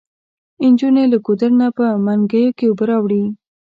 انجونې له ګودر نه په منګيو کې اوبه راوړي.